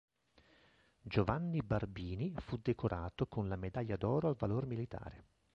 Giovanni Barbini fu decorato con la Medaglia d'Oro al Valor Militare.